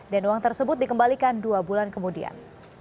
dan uang tersebut dikembalikan dua bulan kemudian